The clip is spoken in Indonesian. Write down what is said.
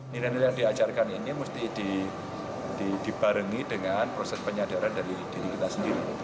nilai nilai yang diajarkan ini mesti dibarengi dengan proses penyadaran dari diri kita sendiri